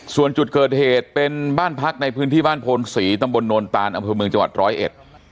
ส่วนจุดเกิดเหตุเป็นบ้านพักในพื้นที่บ้านโพนศรีตำบลโนนตานอำเภอเมืองจังหวัดร้อยเอ็ด